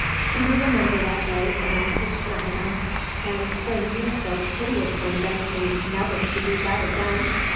Do you remember that day when I kissed your hand, and when you so piteously begged me 'never to do that again'?